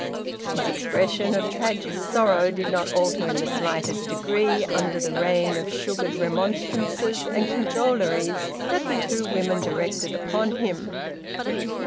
His expression of tragic sorrow did not alter in the slightest degree under the rain of sugared remonstrances and cajoleries that the two women directed upon him.